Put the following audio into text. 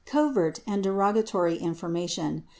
15 covert and derogatory information.